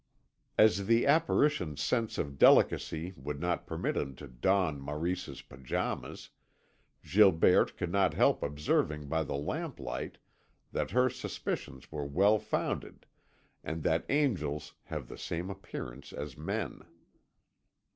As the apparition's sense of delicacy would not permit him to don Maurice's pyjamas, Gilberte could not help observing by the lamp light that her suspicions were well founded, and that angels have the same appearance as men.